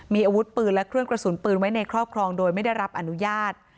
มีอาวุธปืนและเครื่องกระสุนปืนไว้ในครอบครองโดยไม่ได้รับอนุญาต